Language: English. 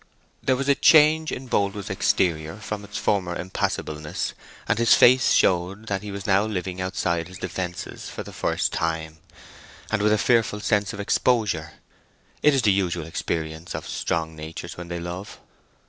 There was a change in Boldwood's exterior from its former impassibleness; and his face showed that he was now living outside his defences for the first time, and with a fearful sense of exposure. It is the usual experience of strong natures when they love.